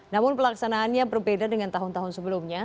namun pelaksanaannya berbeda dengan tahun tahun sebelumnya